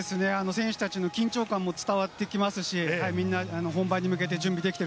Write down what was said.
選手たちの緊張感も伝わってきますし、みんな、本番に向けて準備